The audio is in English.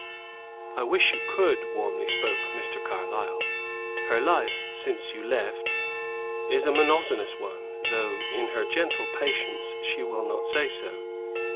"I wish you could," warmly spoke Mr. Carlyle. "Her life, since you left, is a monotonous one; though, in her gentle patience, she will not say so.